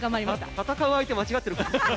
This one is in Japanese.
戦う相手、間違ってる感じ。